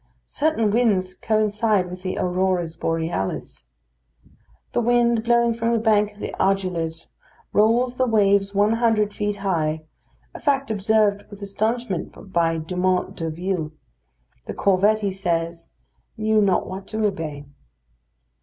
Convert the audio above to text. Certain winds coincide with the aurores boreales. The wind blowing from the bank of the Aiguilles rolls the waves one hundred feet high; a fact observed with astonishment by Dumont d'Urville. The corvette, he says, "knew not what to obey."